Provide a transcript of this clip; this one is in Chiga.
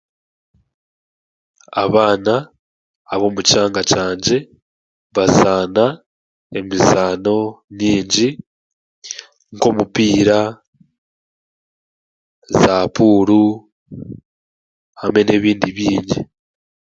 Abaana ab'omu kyanga kyangye bazaana emizaano mingi nk'omupiira za puuru hamwe n'ebindi bingi